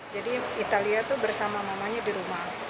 jadi italia bersama mamanya di rumah